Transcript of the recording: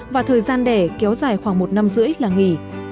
và thời gian đẻ kéo dài khoảng một năm rưỡi là nghỉ